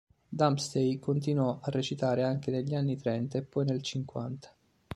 Dempsey continuò a recitare anche negli anni trenta e poi nel cinquanta.